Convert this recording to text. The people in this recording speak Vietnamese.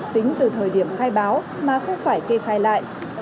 tính từ thời điểm khai báo mà không phải kê khai lại